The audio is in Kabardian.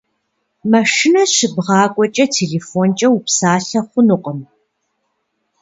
Машинэ щыбгъакӏуэкӏэ телефонкӏэ упсалъэ хъунукъым.